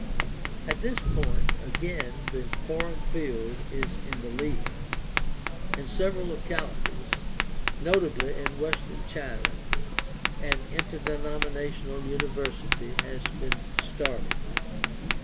At this point again the foreign field is in the lead. In several localities, notably in Western China, an interdenominational university has been started.